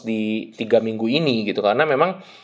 di tiga minggu ini gitu karena memang